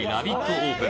オープン。